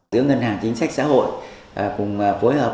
giữa ngân hàng chính sách xã hội cùng phối hợp